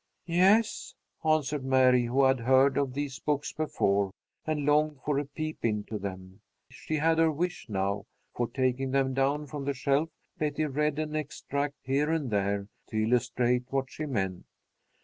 "Yes," answered Mary, who had heard of these books before, and longed for a peep into them. She had her wish now, for, taking them down from the shelf, Betty read an extract here and there, to illustrate what she meant.